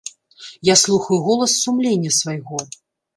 Я слухаю голас сумлення свайго.